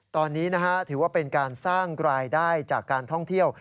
ตอนนี้ถือว่าเป็นการสร้างรายได้จากการท่องเที่ยว